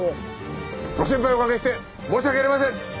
ご心配おかけして申し訳ありません！